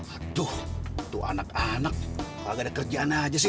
aduh tuh anak anak gak ada kerjaan aja sih